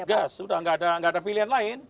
tegas sudah gak ada pilihan lain